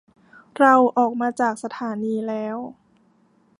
เราออกมาจากสถานีแล้ว